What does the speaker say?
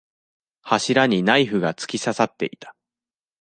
柱にナイフが突き刺さっていた。